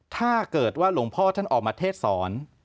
ถ้าเกิดว่าหลวงพ่อท่านออกมาเทศสอน